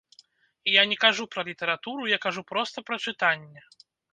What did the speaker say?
Я не кажу пра літаратуру, я кажу проста пра чытанне.